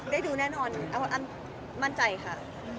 ได้ดูแน่นอนมั่นใจค่ะ